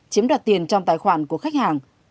chiếm đoạt tiền trong tài khoản của khách hàng